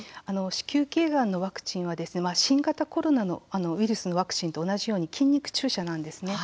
子宮頸がんのワクチンは新型コロナのウイルスのワクチンと同じように筋肉注射なんですね。